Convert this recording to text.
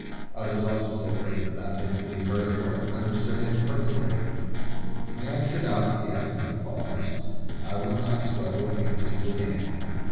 Others also said things about him that he heard or understood imperfectly. "May I sit up?" he asked, in a pause. "I will not struggle against you again."